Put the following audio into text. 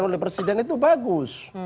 oleh presiden itu bagus